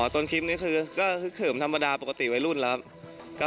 อ๋อต้นคลิปนี้คือเขื่อมันธรรมดาปกติไว้รุ่นแล้วครับ